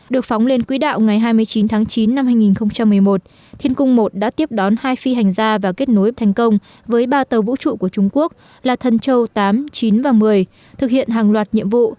được phóng lên quỹ đạo ngày hai mươi chín tháng chín năm hai nghìn một mươi một thiên cung một đã tiếp đón hai phi hành gia và kết nối thành công với ba tàu vũ trụ của trung quốc là thần châu tám chín và một mươi thực hiện hàng loạt nhiệm vụ